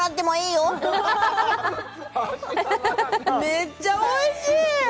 めっちゃおいしい！